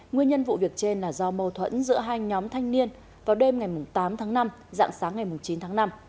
nguyên nhân vụ việc trên là do mâu thuẫn giữa hai nhóm thanh niên vào đêm ngày tám tháng năm dạng sáng ngày chín tháng năm